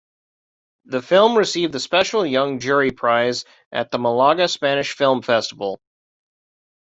The film received the Special Young Jury Prize at the Malaga Spanish Film Festival.